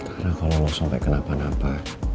karena kalau sampai kenapa napa